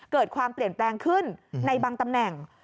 เกิดความเปลี่ยนแปลงขึ้นในบางตำแหน่ง